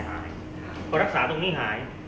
มันประกอบกันแต่ว่าอย่างนี้แห่งที่